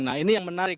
nah ini yang menarik